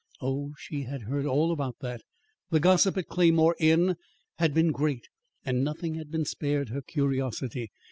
Oh, she had heard all about that! The gossip at Claymore Inn had been great, and nothing had been spared her curiosity.